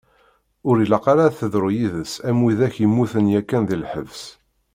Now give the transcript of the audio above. Ur ilaq ara ad teḍru yid-s am widak yemmuten yakan di lḥebs.